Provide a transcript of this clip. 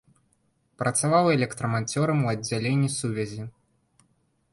Працаваў электраманцёрам у аддзяленні сувязі.